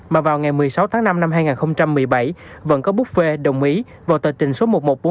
mà vào ngày một mươi sáu tháng năm năm hai nghìn một mươi bảy vẫn có bút phê đồng ý vào tờ trình số một nghìn một trăm bốn mươi tám